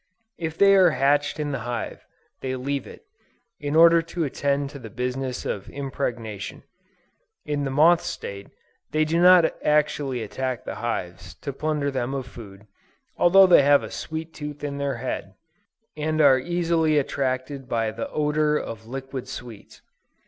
If they are hatched in the hive, they leave it, in order to attend to the business of impregnation. In the moth state, they do not actually attack the hives, to plunder them of food, although they have a "sweet tooth" in their head, and are easily attracted by the odor of liquid sweets.